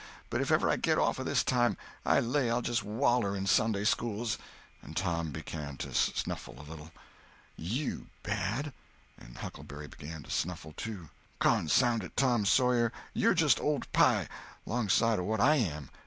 But if ever I get off this time, I lay I'll just waller in Sunday schools!" And Tom began to snuffle a little. "You bad!" and Huckleberry began to snuffle too. "Consound it, Tom Sawyer, you're just old pie, 'long side o' what I am.